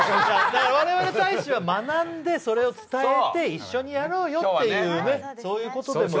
我々大使は学んで、それを伝えて一緒にやろうよという、そういうことです。